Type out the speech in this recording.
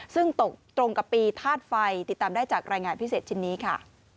ซึ่งตกตรงกับปีธาตุไฟติดตามได้จากรายงานพิเศษชิ้นนี้ค่ะ